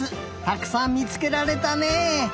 たくさんみつけられたね。